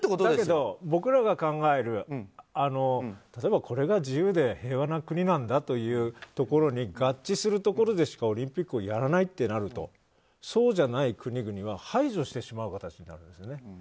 だけど、僕らが考えるこれが自由で平和な国なんだというところに合致するところでしかオリンピックをやらないってなるとそうじゃない国々は排除してしまう形になりますね。